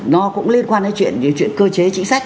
nó cũng liên quan đến chuyện cơ chế chính sách